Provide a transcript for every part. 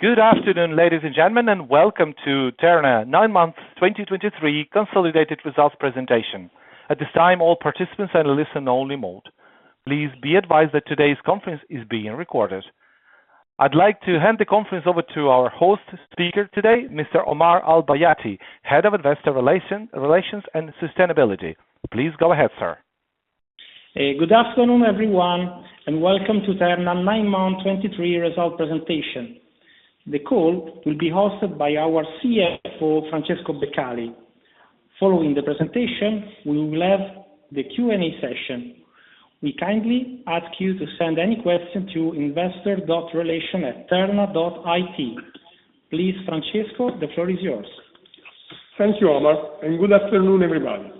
Good afternoon, ladies and gentlemen, and welcome to Terna nine months 2023 consolidated results presentation. At this time, all participants are in a listen-only mode. Please be advised that today's conference is being recorded. I'd like to hand the conference over to our host speaker today, Mr Omar Al Bayaty, Head of Investor Relations and Sustainability. Please go ahead, sir. Good afternoon, everyone, and welcome to Terna's nine-month 2023 results presentation. The call will be hosted by our CFO, Francesco Beccali. Following the presentation, we will have the Q and A session. We kindly ask you to send any questions to investor.relations@terna.it. Please, Francesco, the floor is yours. Thank you, Omar, and good afternoon, everybody.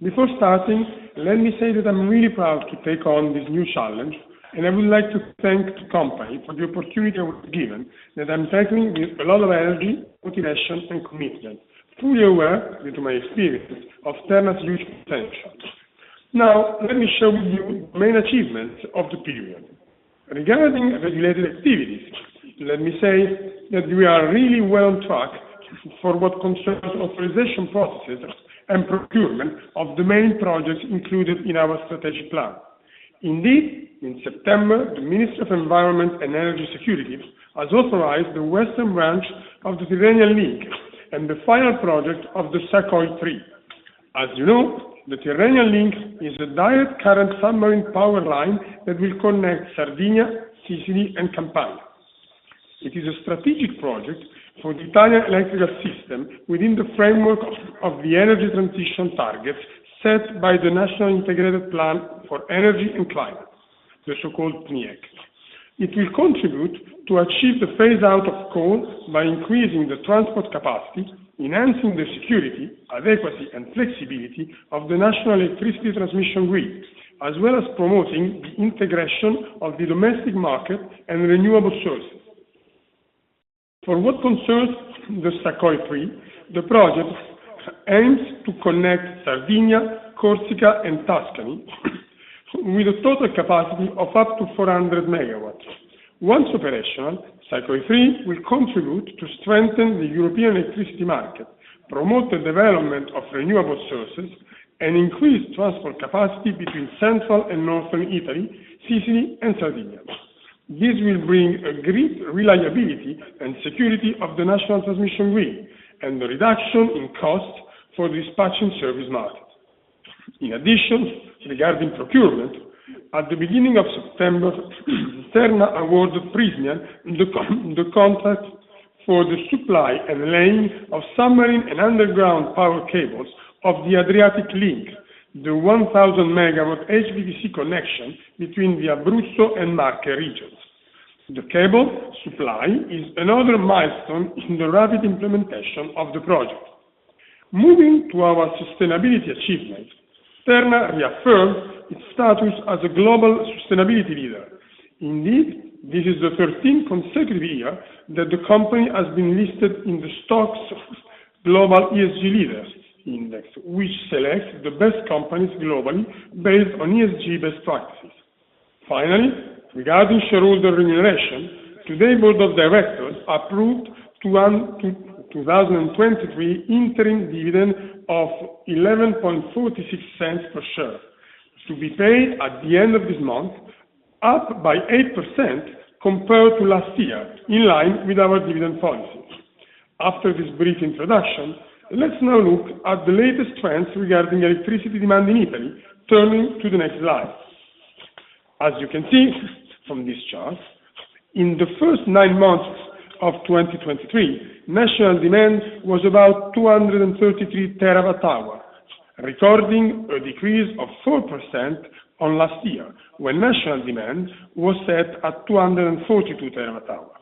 Before starting, let me say that I'm really proud to take on this new challenge, and I would like to thank the company for the opportunity I was given, that I'm tackling with a lot of energy, motivation, and commitment, fully aware, due to my experiences, of Terna's huge potential. Now, let me show you the main achievements of the period. Regarding regulated activities, let me say that we are really well on track for what concerns authorization processes and procurement of the main projects included in our strategic plan. Indeed, in September, the Ministry of Environment and Energy Security has authorized the western branch of the Tyrrhenian Link and the final project of the Sa.Co.I.3. As you know, the Tyrrhenian Link is a direct current submarine power line that will connect Sardinia, Sicily, and Campania. It is a strategic project for the Italian electrical system within the framework of the energy transition target set by the National Integrated Plan for Energy and Climate, the so-called NECP. It will contribute to achieve the phase out of coal by increasing the transport capacity, enhancing the security, adequacy, and flexibility of the national electricity transmission grid, as well as promoting the integration of the domestic market and renewable sources. For what concerns the Sa.Co.I.3, the project aims to connect Sardinia, Corsica, and Tuscany with a total capacity of up to 400 MW. Once operational, Sa.Co.I.3 will contribute to strengthen the European electricity market, promote the development of renewable sources, and increase transport capacity between central and northern Italy, Sicily and Sardinia. This will bring a great reliability and security of the national transmission grid and the reduction in cost for the dispatching service market. In addition, regarding procurement, at the beginning of September, Terna awarded Prysmian the contract for the supply and laying of submarine and underground power cables of the Adriatic Link, the 1,000 MW HVDC connection between the Abruzzo and Marche regions. The cable supply is another milestone in the rapid implementation of the project. Moving to our sustainability achievements, Terna reaffirms its status as a global sustainability leader. Indeed, this is the 13th consecutive year that the company has been listed in the Stoxx Global ESG Leaders Index, which selects the best companies globally based on ESG best practices. Finally, regarding shareholder remuneration, today, Board of Directors approved 2023 interim dividend of 0.1146 per share, to be paid at the end of this month, up by 8% compared to last year, in line with our dividend policy. After this brief introduction, let's now look at the latest trends regarding electricity demand in Italy, turning to the next slide. As you can see from this chart, in the first nine months of 2023, national demand was about 233 TWh, recording a decrease of 4% on last year, when national demand was set at 242 TWh.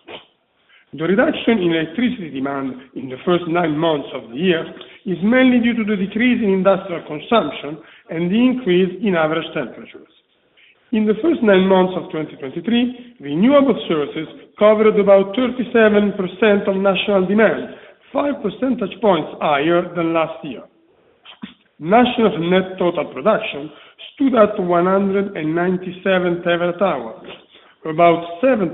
The reduction in electricity demand in the first nine months of the year is mainly due to the decrease in industrial consumption and the increase in average temperatures. In the first nine months of 2023, renewable sources covered about 37% of national demand, five percentage points higher than last year. National net total production stood at 197 TWh, about 7%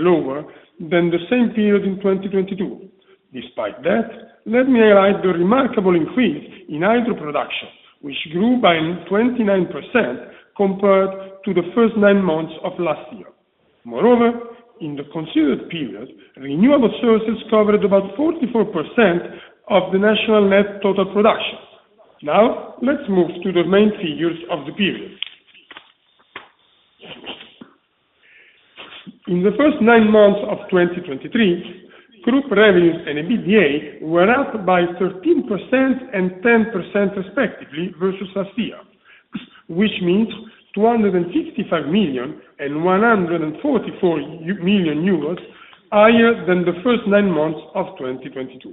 lower than the same period in 2022. Despite that, let me highlight the remarkable increase in hydro production, which grew by 29% compared to the first nine months of last year. Moreover, in the considered period, renewable sources covered about 44% of the national net total production. Now, let's move to the main figures of the period. In the first nine months of 2023, group revenues and EBITDA were up by 13% and 10% respectively, versus last year, which means 265 million and 144 million euros higher than the first nine months of 2022.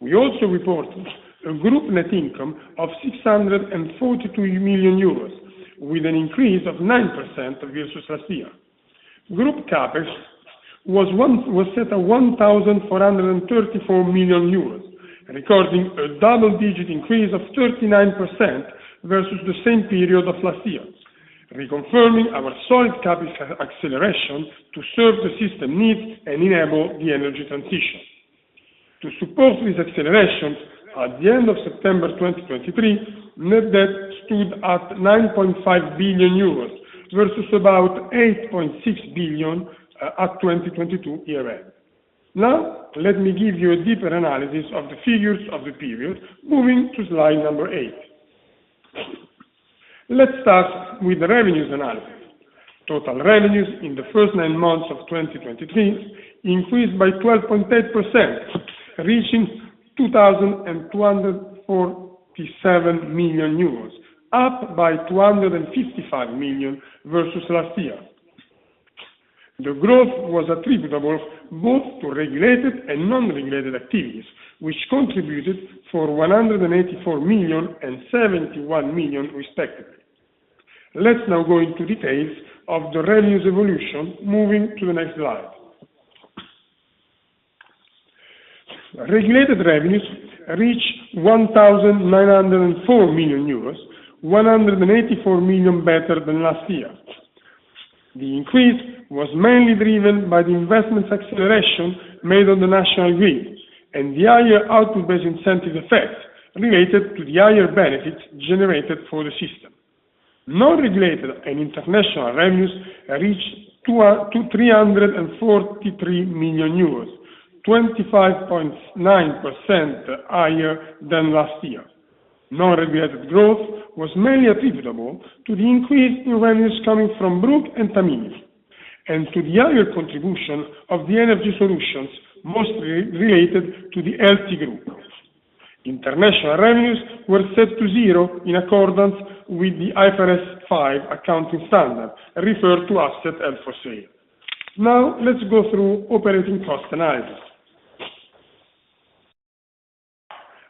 We also reported a group net income of 642 million euros, with an increase of 9% versus last year. Group CapEx was one, was set at 1,434 million euros, recording a double-digit increase of 39% versus the same period of last year. Reconfirming our solid capital acceleration to serve the system needs and enable the energy transition. To support this acceleration, at the end of September 2023, net debt stood at 9.5 billion euros, versus about 8.6 billion at 2022 year end. Now, let me give you a deeper analysis of the figures of the period, moving to slide eight. Let's start with the revenues analysis. Total revenues in the first nine months of 2023 increased by 12.8%, reaching 2,247 million euros, up by 255 million versus last year. The growth was attributable both to regulated and non-regulated activities, which contributed 184 million and 71 million, respectively. Let's now go into details of the revenues evolution, moving to the next slide. Regulated revenues reached 1,904 million euros, 184 million better than last year. The increase was mainly driven by the investments acceleration made on the National Grid, and the higher output-based incentive effect related to the higher benefits generated for the system. Non-regulated and international revenues reached EUR 343 million, 25.9% higher than last year. Non-regulated growth was mainly attributable to the increase in revenues coming from Brugg and Tamini, and to the higher contribution of the energy solutions, mostly related to the LT Group. International revenues were set to zero in accordance with the IFRS 5 accounting standard, referred to as assets held for sale. Now, let's go through operating cost analysis.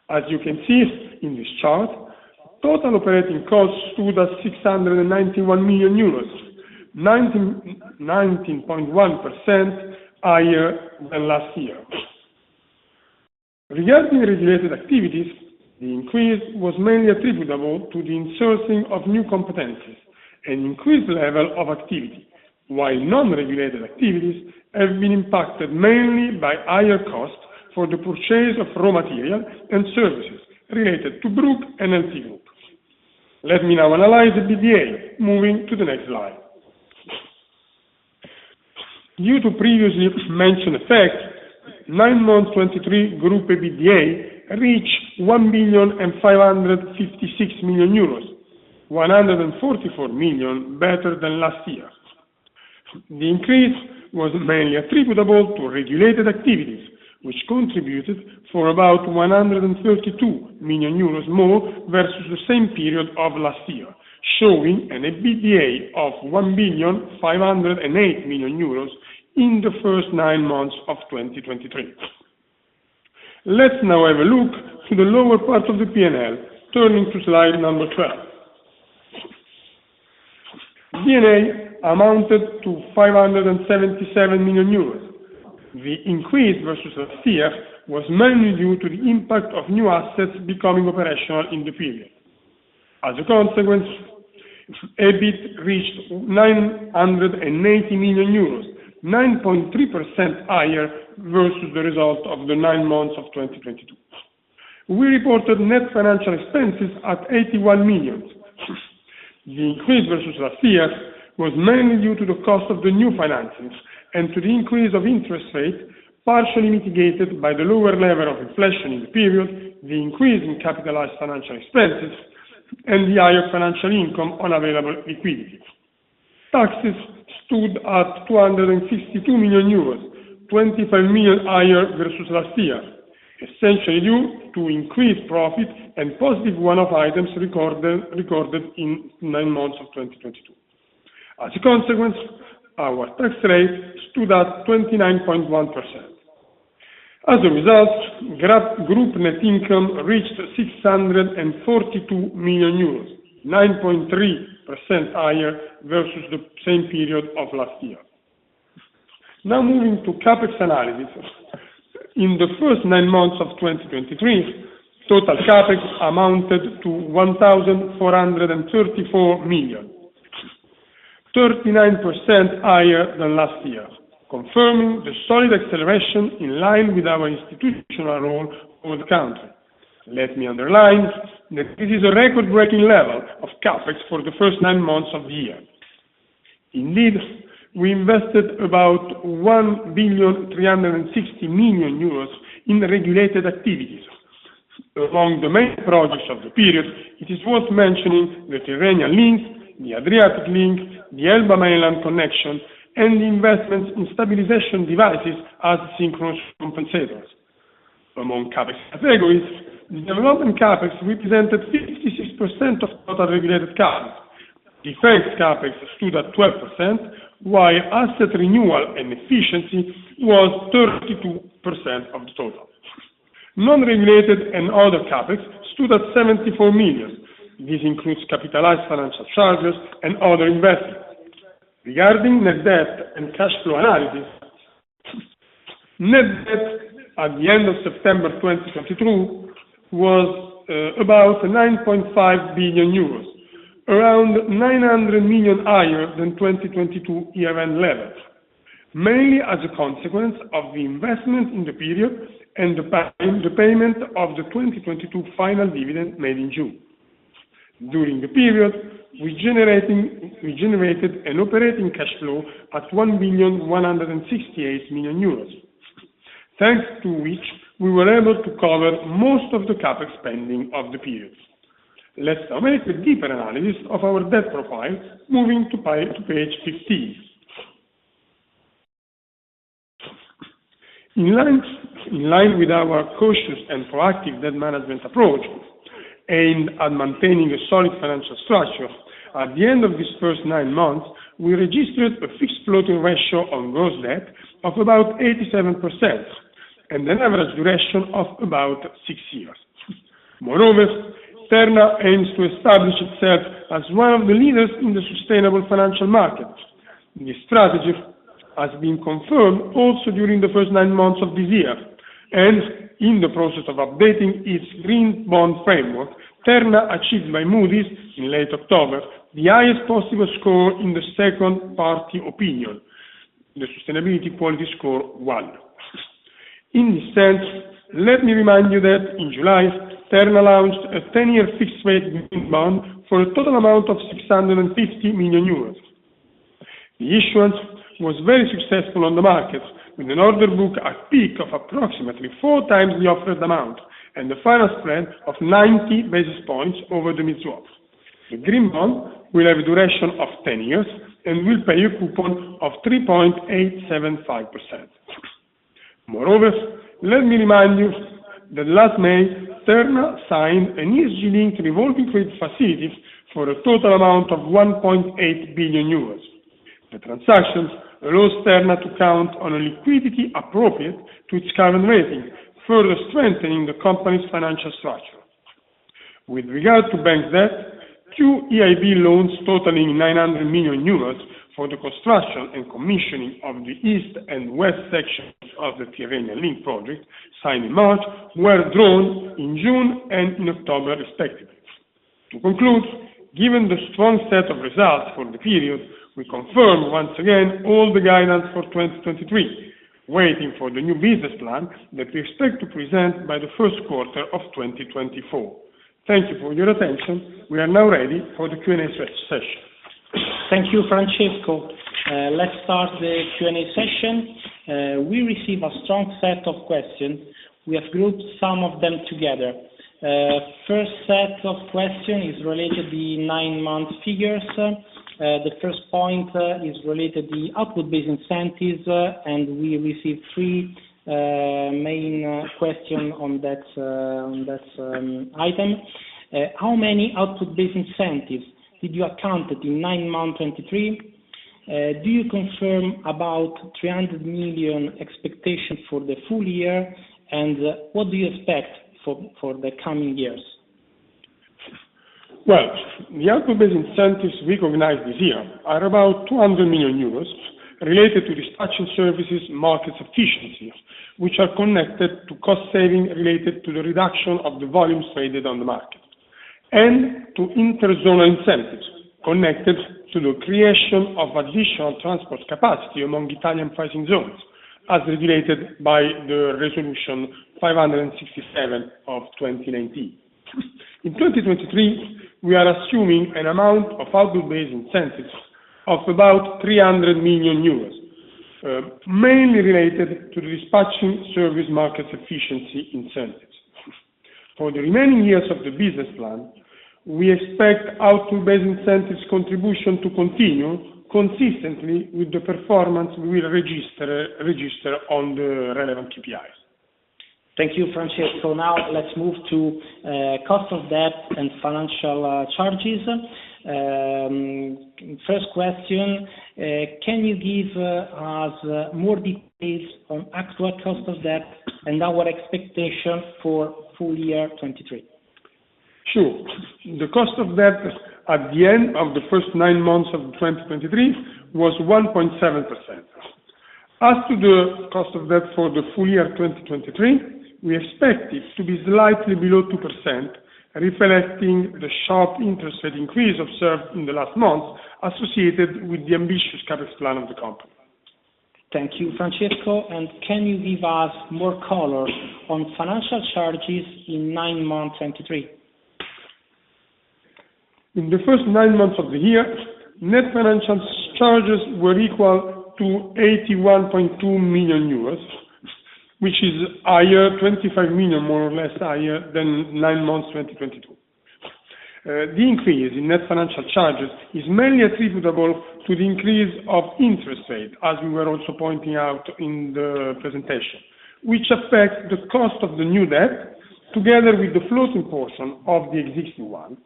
As you can see in this chart, total operating costs stood at 691 million euros, 19 million, 19.1% higher than last year. Regarding regulated activities, the increase was mainly attributable to the insourcing of new competencies and increased level of activity, while non-regulated activities have been impacted mainly by higher costs for the purchase of raw material and services related to Brugg and LT Group. Let me now analyze the EBITDA, moving to the next slide. Due to previously mentioned effects, nine months 2023 group EBITDA reached 1,556 million, 144 million better than last year. The increase was mainly attributable to regulated activities, which contributed for about 132 million euros more versus the same period of last year, showing an EBITDA of 1,508 million euros in the first nine months of 2023. Let's now have a look to the lower part of the P&L, turning to slide 12. D&A amounted to 577 million euros. The increase versus last year was mainly due to the impact of new assets becoming operational in the period. As a consequence, EBIT reached 980 million euros, 9.3% higher versus the result of the nine months of 2022. We reported net financial expenses at 81 million. The increase versus last year was mainly due to the cost of the new financings and to the increase of interest rate, partially mitigated by the lower level of inflation in the period, the increase in capitalized financial expenses, and the higher financial income on available liquidity. Taxes stood at 252 million euros, 25 million higher versus last year, essentially due to increased profit and positive one-off items recorded in nine months of 2022. As a consequence, our tax rate stood at 29.1%. As a result, group net income reached 642 million euros, 9.3% higher versus the same period of last year. Now, moving to CapEx analysis. In the first nine months of 2023, total CapEx amounted to 1,434 million, 39% higher than last year, confirming the solid acceleration in line with our institutional role over the country. Let me underline that this is a record-breaking level of CapEx for the first nine months of the year. Indeed, we invested about 1.36 billion in the regulated activities. Among the main projects of the period, it is worth mentioning the Tyrrhenian Link, the Adriatic Link, the Elba mainland connection, and the investments in stabilization devices as synchronous compensators. Among CapEx categories, the development CapEx represented 56% of total regulated CapEx. Defense CapEx stood at 12%, while asset renewal and efficiency was 32% of the total. Non-regulated and other CapEx stood at 74 million. This includes capitalized financial charges and other investments. Regarding net debt and cash flow analysis. Net debt at the end of September 2022 was about 9.5 billion euros, around 900 million higher than 2022 year-end levels. Mainly as a consequence of the investment in the period and the payment of the 2022 final dividend made in June. During the period, we generated an operating cash flow at 1.168 billion euros, thanks to which we were able to cover most of the CapEx spending of the periods. Let's have a little deeper analysis of our debt profile, moving to page 16. In line, in line with our cautious and proactive debt management approach, aimed at maintaining a solid financial structure, at the end of this first nine months, we registered a fixed floating ratio on gross debt of about 87%, and an average duration of about six years. Moreover, Terna aims to establish itself as one of the leaders in the sustainable financial market. This strategy has been confirmed also during the first nine months of this year, and in the process of updating its green bond framework, Terna achieved by Moody's, in late October, the highest possible score in the second party opinion, the sustainability quality score, one In this sense, let me remind you that in July, Terna launched a 10-year fixed rate green bond for a total amount of 650 million euros. The issuance was very successful on the market, with an order book, a peak of approximately four times the offered amount, and a final spread of 90 basis points over the mid swap. The green bond will have a duration of 10 years and will pay a coupon of 3.875%. Moreover, let me remind you that last May, Terna signed an ESG-linked revolving credit facilities for a total amount of 1.8 billion euros. The transactions allows Terna to count on a liquidity appropriate to its current rating, further strengthening the company's financial structure. With regard to bank debt, two EIB loans totaling 900 million euros for the construction and commissioning of the east and west sections of the Tyrrhenian Link project, signed in March, were drawn in June and in October, respectively. To conclude, given the strong set of results for the period, we confirm once again all the guidance for 2023, waiting for the new business plan that we expect to present by the first quarter of 2024. Thank you for your attention. We are now ready for the Q and A session. Thank you, Francesco. Let's start the Q and A session. We received a strong set of questions. We have grouped some of them together. First set of questions is related to the nine-month figures. The first point is related to the output-based incentives, and we received three main questions on that item. How many output-based incentives did you account for in nine months 2023? Do you confirm the 300 million expectation for the full year? And what do you expect for the coming years? Well, the output-based incentives recognized this year are about 200 million euros, related to dispatching services, market efficiencies, which are connected to cost saving related to the reduction of the volumes traded on the market, and to inter-zonal incentives, connected to the creation of additional transport capacity among Italian pricing zones, as regulated by Resolution 567 of 2019. In 2023, we are assuming an amount of output-based incentives of about 300 million euros, mainly related to the dispatching service market efficiency incentives. For the remaining years of the business plan, we expect output-based incentives contribution to continue consistently with the performance we will register on the relevant KPIs. Thank you, Francesco. Now, let's move to cost of debt and financial charges. First question, can you give us more details on actual cost of debt and our expectation for full year 2023? Sure. The cost of debt at the end of the first nine months of 2023 was 1.7%. As to the cost of debt for the full year 2023, we expect it to be slightly below 2%, reflecting the sharp interest rate increase observed in the last month, associated with the ambitious CapEx plan of the company. Thank you, Francesco. Can you give us more color on financial charges in nine months, 2023? In the first nine months of the year, net financial charges were equal to 81.2 million euros, which is higher, 25 million, more or less, higher than nine months, 2022. The increase in net financial charges is mainly attributable to the increase of interest rate, as we were also pointing out in the presentation, which affects the cost of the new debt, together with the floating portion of the existing one,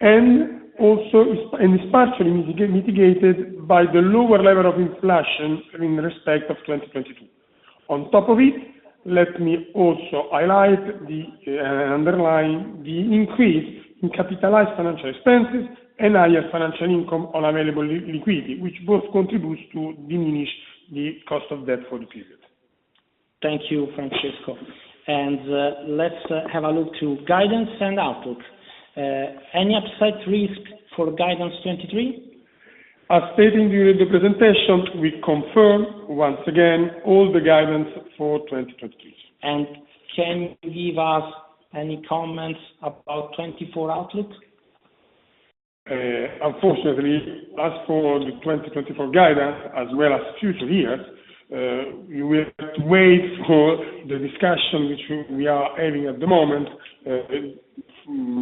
and also is partially mitigated by the lower level of inflation in respect of 2022. On top of it. Let me also highlight the underline the increase in capitalized financial expenses and higher financial income on available liquidity, which both contributes to diminish the cost of debt for the period. Thank you, Francesco. And, let's have a look to guidance and outlook. Any upside risk for guidance 2023? As stated during the presentation, we confirm once again all the guidance for 2023. Can you give us any comments about 2024 outlook? Unfortunately, as for the 2024 guidance, as well as future years, we will wait for the discussion which we are having at the moment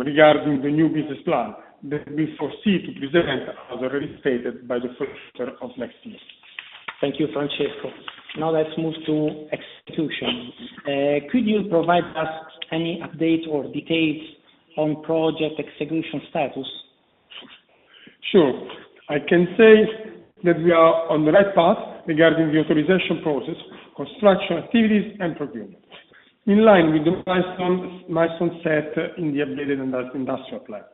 regarding the new business plan that we foresee to present, as already stated, by the first quarter of next year. Thank you, Francesco. Now, let's move to execution. Could you provide us any updates or details on project execution status? Sure. I can say that we are on the right path regarding the authorization process, construction activities, and procurement, in line with the milestones set in the updated industrial plan.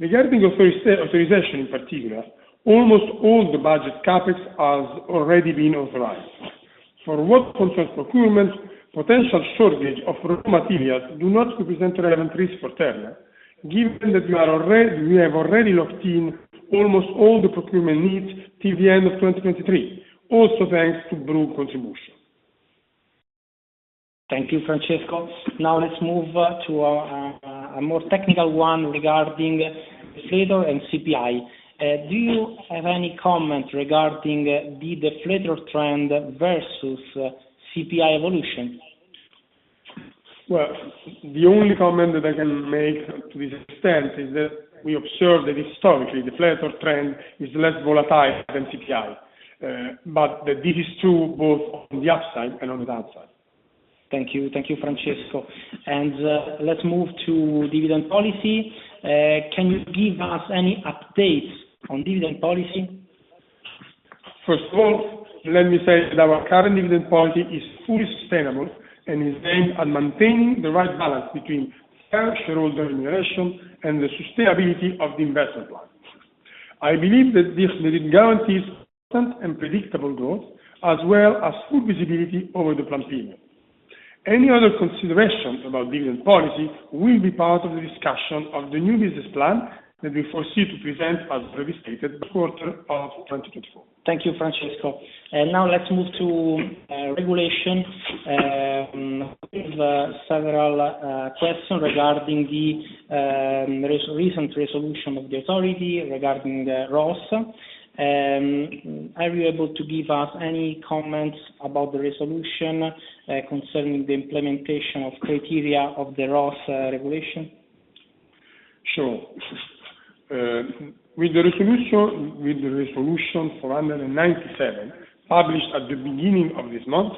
Regarding authorization, in particular, almost all the budget CapEx has already been authorized. For what concerns procurement, potential shortage of raw materials do not represent relevant risk for Terna, given that we are already we have already locked in almost all the procurement needs till the end of 2023, also thanks to Brugg contribution. Thank you, Francesco. Now, let's move to a more technical one regarding deflator and CPI. Do you have any comment regarding the GDP deflator trend versus CPI evolution? Well, the only comment that I can make to this extent is that we observe that historically, deflator trend is less volatile than CPI, but that this is true both on the upside and on the downside. Thank you. Thank you, Francesco. Let's move to dividend policy. Can you give us any updates on dividend policy? First of all, let me say that our current dividend policy is fully sustainable and is aimed at maintaining the right balance between fair shareholder remuneration and the sustainability of the investment plan. I believe that this dividend guarantees constant and predictable growth, as well as full visibility over the plan period. Any other considerations about dividend policy will be part of the discussion of the new business plan that we foresee to present, as already stated, the quarter of 2024. Thank you, Francesco. And now let's move to regulation. We have several questions regarding the recent resolution of the authority regarding the ROS. Are you able to give us any comments about the resolution concerning the implementation of criteria of the ROS regulation? Sure. With the resolution, with the Resolution 497, published at the beginning of this month,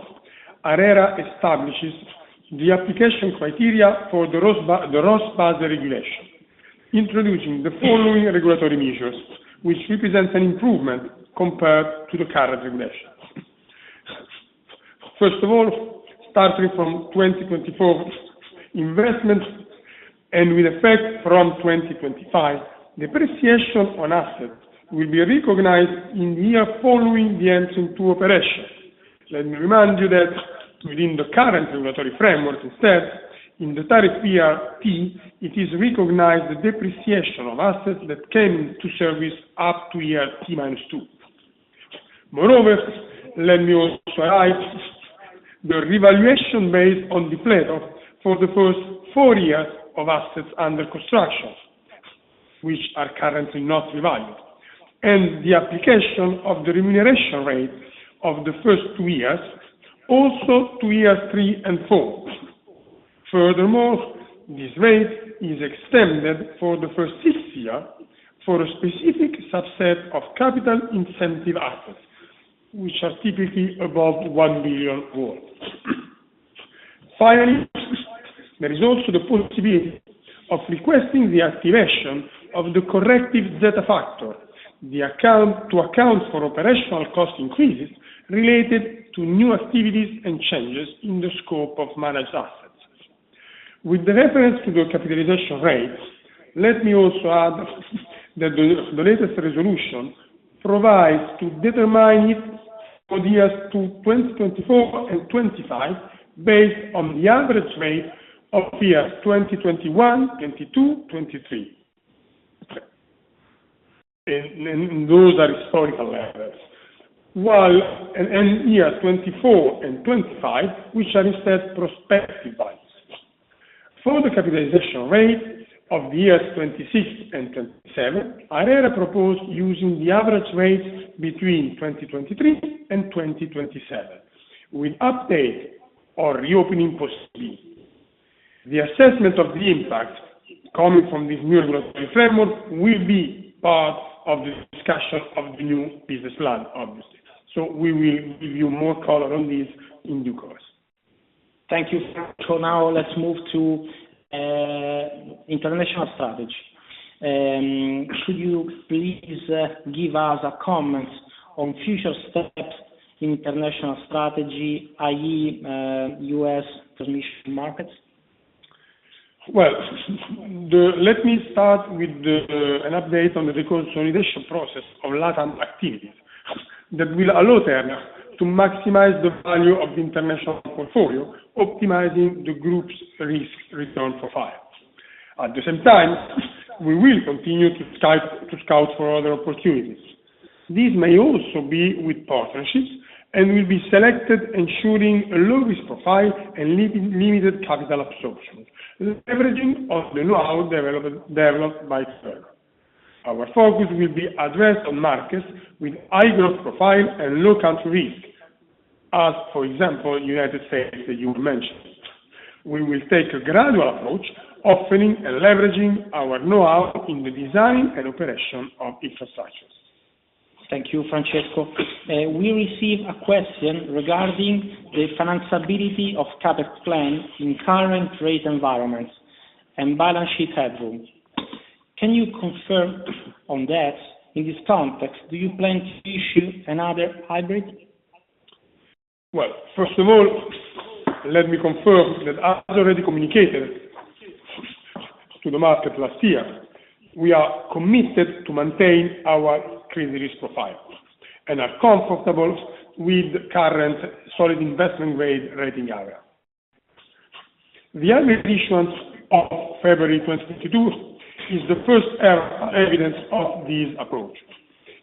ARERA establishes the application criteria for the ROS, the ROS base regulation, introducing the following regulatory measures, which represents an improvement compared to the current regulation. First of all, starting from 2024 investments and with effect from 2025, depreciation on assets will be recognized in the year following the entry into operation. Let me remind you that within the current regulatory framework, instead, in the tariff PRP, it is recognized the depreciation of assets that came to service up to year T-2. Moreover, let me also highlight the revaluation based on deflator for the first four years of assets under construction, which are currently not revalued, and the application of the remuneration rate of the first two years, also to year three and four. Furthermore, this rate is extended for the first six-year, for a specific subset of capital incentive assets, which are typically above 1 billion. Finally, there is also the possibility of requesting the activation of the corrective delta factor, to account for operational cost increases related to new activities and changes in the scope of managed assets. With reference to the capitalization rates, let me also add that the latest resolution provides to determine it for the years to 2024 and 2025, based on the average rate of years 2021, 2022, 2023. And those are historical levels, while, and year 2024 and 2025, which are instead prospective values. For the capitalization rate of the years 2026 and 2027, ARERA proposed using the average rate between 2023 and 2027, with update or reopening possibly. The assessment of the impact coming from this new regulatory framework will be part of the discussion of the new business plan, obviously. So we will give you more color on this in due course. Thank you. So now let's move to international strategy. Could you please give us a comment on future steps in international strategy, i.e., U.S. transmission markets? Well, let me start with an update on the consolidation process of LatAm activities, that will allow Terna to maximize the value of the international portfolio, optimizing the group's risk-return profile. At the same time, we will continue to scout for other opportunities. This may also be with partnerships, and will be selected ensuring a low-risk profile and limited capital absorption, leveraging of the know-how developed by Terna. Our focus will be addressed on markets with high growth profile and low country risk, as, for example, United States, you mentioned. We will take a gradual approach, opening and leveraging our know-how in the design and operation of infrastructures. Thank you, Francesco. We received a question regarding the financeability of CapEx plan in current rate environment and balance sheet headroom. Can you confirm on that? In this context, do you plan to issue another hybrid? Well, first of all, let me confirm that as already communicated to the market last year, we are committed to maintain our credit risk profile and are comfortable with current solid investment grade rating. The emission of February 2022 is the first evidence of this approach.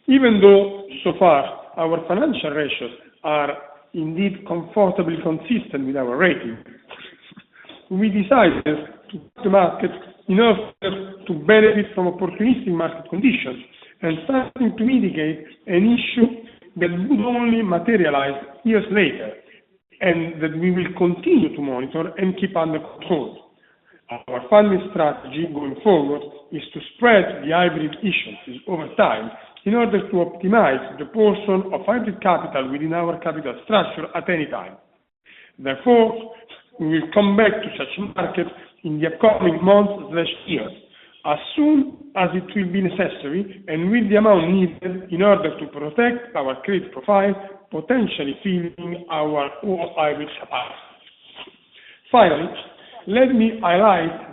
Even though, so far, our financial ratios are indeed comfortably consistent with our rating, we decided to access the market in order to benefit from opportunistic market conditions, and starting to mitigate an issue that would only materialize years later, and that we will continue to monitor and keep under control. Our funding strategy going forward is to spread the hybrid issues over time, in order to optimize the portion of hybrid capital within our capital structure at any time. Therefore, we will come back to such a market in the upcoming months or years, as soon as it will be necessary, and with the amount needed in order to protect our credit profile, potentially filling our hybrid supply. Finally, let me highlight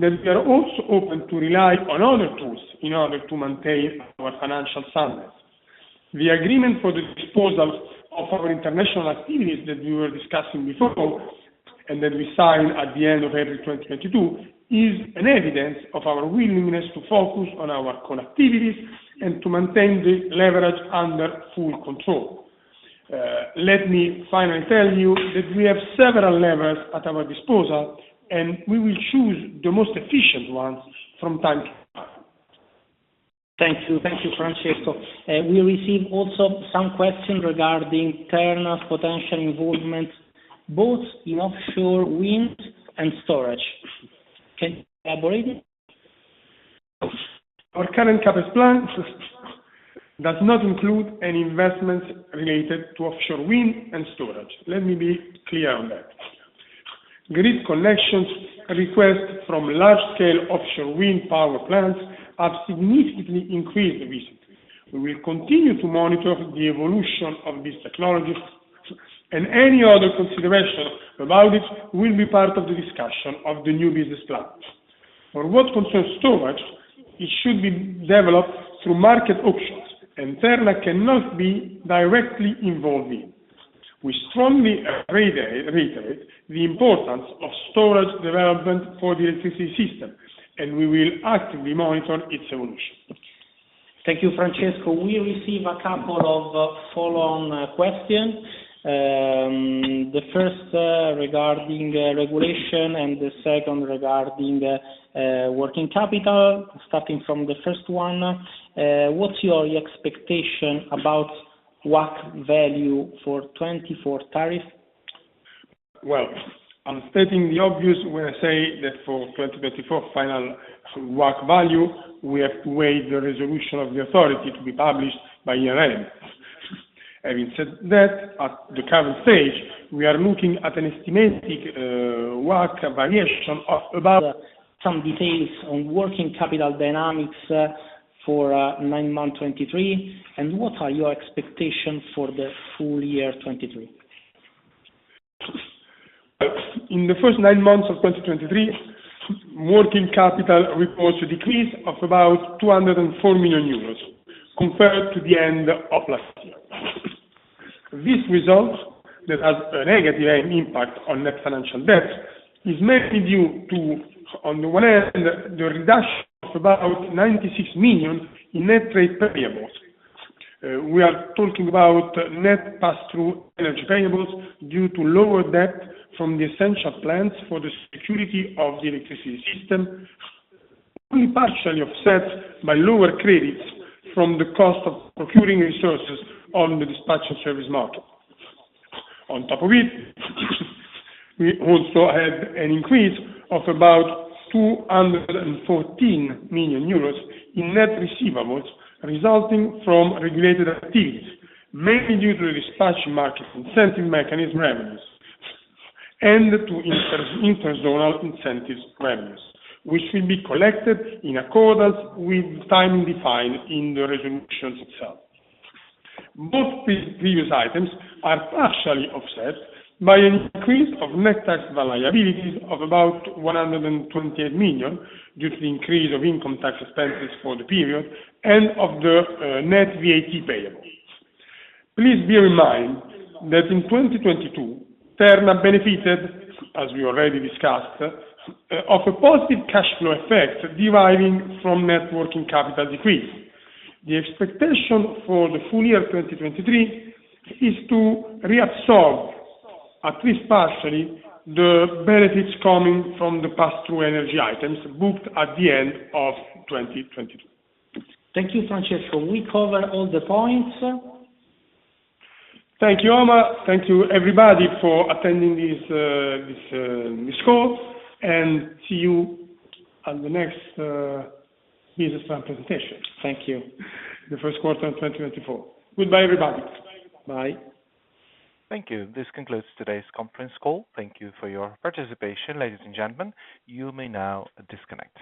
that we are also open to rely on other tools in order to maintain our financial soundness. The agreement for the disposal of our international activities that we were discussing before, and that we signed at the end of April 2022, is an evidence of our willingness to focus on our core activities and to maintain the leverage under full control. Let me finally tell you that we have several levers at our disposal, and we will choose the most efficient ones from time to time. Thank you. Thank you, Francesco. We received also some questions regarding Terna's potential involvement, both in offshore wind and storage. Can you elaborate? Our current CapEx plan does not include any investments related to offshore wind and storage. Let me be clear on that. Grid connections request from large-scale offshore wind power plants have significantly increased recently. We will continue to monitor the evolution of these technologies, and any other consideration about it will be part of the discussion of the new business plan. For what concerns storage, it should be developed through market options, and Terna cannot be directly involved in. We strongly reiterate the importance of storage development for the electricity system, and we will actively monitor its evolution. Thank you, Francesco. We receive a couple of follow-on questions. The first, regarding regulation, and the second regarding working capital. Starting from the first one, what's your expectation about WACC value for 2024 tariff? Well, I'm stating the obvious when I say that for 2024 final WACC value, we have to wait the resolution of the authority to be published by year-end. Having said that, at the current stage, we are looking at an estimated WACC variation of about. Some details on working capital dynamics for nine months 2023, and what are your expectations for the full year 2023? In the first nine months of 2023, working capital reports a decrease of about 204 million euros, compared to the end of last year. This result, that has a negative impact on net financial debt, is mainly due to, on the one hand, the reduction of about 96 million in net trade payables. We are talking about net pass-through energy payables, due to lower debt from the essential plans for the security of the electricity system, only partially offset by lower credits from the cost of procuring resources on the dispatch and service market. On top of it, we also have an increase of about 214 million euros in net receivables, resulting from regulated activities, mainly due to the dispatch market incentive mechanism revenues, and to interzonal incentives revenues, which will be collected in accordance with time defined in the resolutions itself. Both previous items are partially offset by an increase of net tax liabilities of about 128 million, due to the increase of income tax expenses for the period, and of the net VAT payables. Please bear in mind that in 2022, Terna benefited, as we already discussed, of a positive cash flow effect deriving from net working capital decrease. The expectation for the full year 2023 is to reabsorb, at least partially, the benefits coming from the pass-through energy items booked at the end of 2022. Thank you, Francesco. We cover all the points. Thank you, Omar. Thank you, everybody, for attending this call, and see you on the next business plan presentation. Thank you. The first quarter of 2024. Goodbye, everybody. Bye. Thank you. This concludes today's conference call. Thank you for your participation, ladies and gentlemen. You may now disconnect.